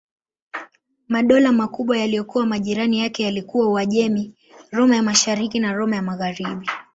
Madola makubwa yaliyokuwa majirani yake yalikuwa Uajemi, Roma ya Mashariki na Roma ya Magharibi.